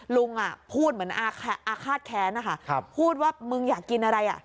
ลุงพูดเหมือนอาฆาตแค้นนะคะพูดว่ามึงอยากกินอะไรอ่ะ